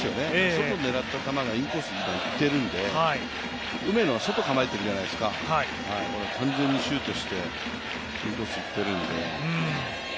外に狙った球が今インコースに行っているので、梅野は外、構えてるじゃないですか完全にシュートしてインコースいってるんで。